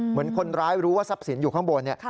เหมือนคนร้ายรู้ว่าทรัพย์สินอยู่ข้างบน